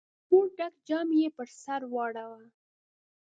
د اوبو ډک جام يې پر سر واړاوه.